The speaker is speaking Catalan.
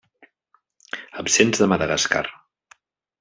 Absents de Madagascar.